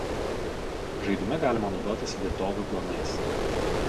Žaidime galima naudotis vietovių planais.